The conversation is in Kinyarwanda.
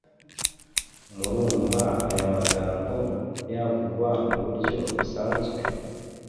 Murumva aya magambo yavugwa mu buryo busanzwe.